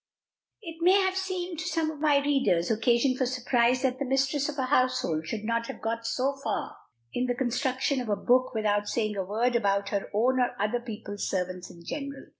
It may have seemed, to some of my readers, occasion for surprise that the mistress of a household should have got so far in the construction of a book without saying a word about her own or other people's servants in general.